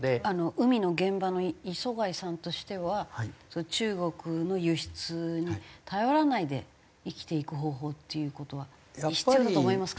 海の現場の礒貝さんとしては中国の輸出に頼らないで生きていく方法っていう事は必要だと思いますか？